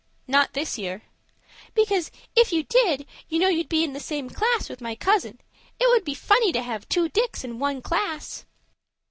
"Not this year." "Because, if you did, you know you'd be in the same class with my cousin. It would be funny to have two Dicks in one class."